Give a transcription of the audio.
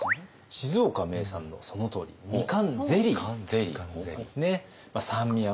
静岡名産のそのとおりみかんゼリーなんですね。